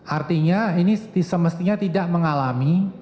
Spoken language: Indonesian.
artinya ini semestinya tidak mengalami